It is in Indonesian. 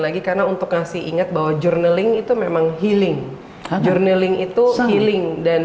lagi karena untuk ngasih ingat bahwa jurnaling itu memang healing jurnaling itu healing dan